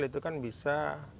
itu kan bisa